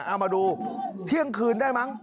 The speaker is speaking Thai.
เอามาดูเที่ยงคืนได้มั้ง